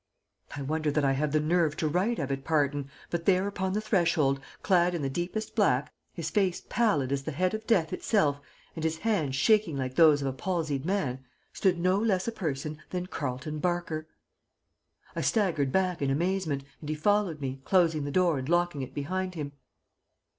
"I wonder that I have nerve to write of it, Parton, but there upon the threshold, clad in the deepest black, his face pallid as the head of death itself and his hands shaking like those of a palsied man, stood no less a person than Carleton Barker! "I staggered back in amazement and he followed me, closing the door and locking it behind him.